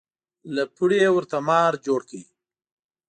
له پړي یې ورته مار جوړ کړ.